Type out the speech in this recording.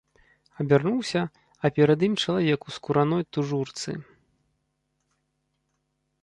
Абярнуўся, а перад ім чалавек у скураной тужурцы.